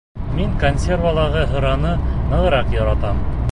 — Мин консервалағы һыраны нығыраҡ яратам.